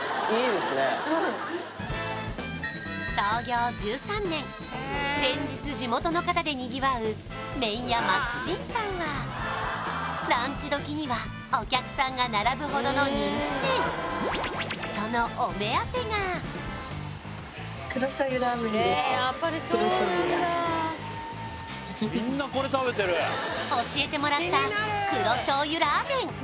創業１３年連日地元の方でにぎわう麺や松辰さんはランチ時にはお客さんが並ぶほどの人気店教えてもらった黒醤油ラーメン